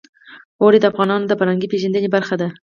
اوړي د افغانانو د فرهنګي پیژندنې برخه ده.